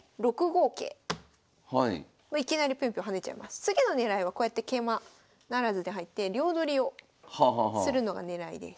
次の狙いはこうやって桂馬不成で入って両取りをするのが狙いです。